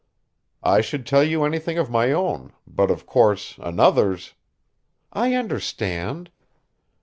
"I should tell you anything of my own, but, of course, another's " "I understand."